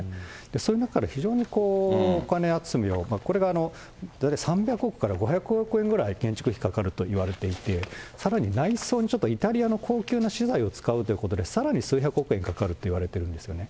そういう中で非常にお金集めを、これが３００億から５００億円ぐらい建築費かかると言われていて、さらに内装にちょっとイタリアの高級な資材を使うということで、さらに数百億円かかるといわれているんですよね。